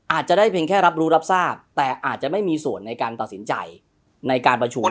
อาจจะได้เพียงแค่รับรู้รับทราบแต่อาจจะไม่มีส่วนในการตัดสินใจในการประชุม